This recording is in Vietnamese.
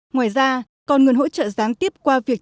ngoài ra còn nguồn hỗ trợ gián tiếp qua việc